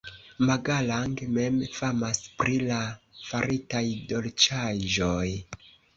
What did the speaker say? Magalang mem famas pri la faritaj dolĉaĵoj.